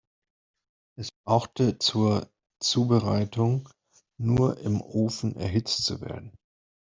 Es brauchte zur Zubereitung nur im Ofen erhitzt zu werden.